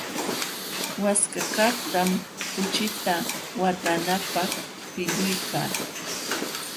Waskakaqtam kuchita watananapaq pilluyka.